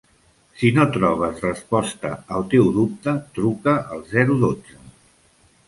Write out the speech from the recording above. Si no trobes resposta al teu dubte, truca al zero dotze.